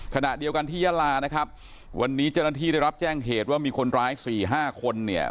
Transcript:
ขณะเดียวกันที่ยาลานะครับวันนี้เจ้าหน้าที่ได้รับแจ้งเหตุว่ามีคนร้ายสี่ห้าคนเนี่ย